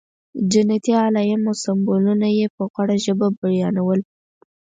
جنتي علایم او سمبولونه یې په غوړه ژبه بیانول.